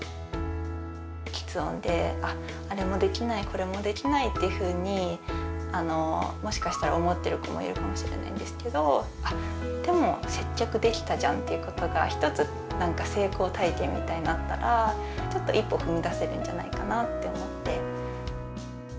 きつ音で、あっ、あれもできない、これもできないっていうふうに、もしかしたら、思ってる子もいるかもしれないですけど、あっ、でも接客できたじゃんということが、一つ、なんか成功体験みたいになったら、ちょっと一歩踏み出せるんじゃないかなって思って。